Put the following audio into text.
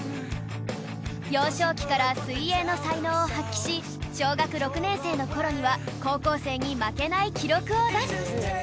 幼少期から水泳の才能を発揮し小学６年生の頃には高校生に負けない記録を出す